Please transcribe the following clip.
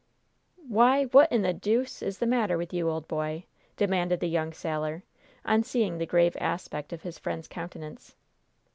"Why, what in the deuce is the matter with you, old boy?" demanded the young sailor, on seeing the grave aspect of his friend's countenance.